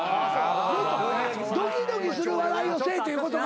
もっとドキドキする笑いをせえっていうことか。